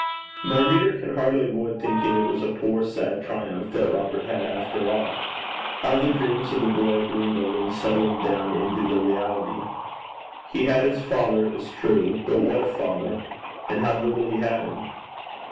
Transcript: My reader can hardly avoid thinking it was a poor sad triumph that Robert had after all. How the dreams of the boy had dwindled in settling down into the reality! He had his father, it was true, but what a father! And how little he had him!